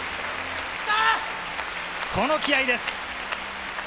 この気合いです。